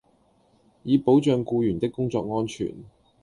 以保障僱員的工作安全